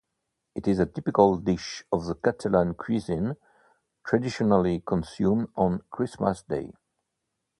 It is a typical dish of the Catalan cuisine, traditionally consumed on Christmas day.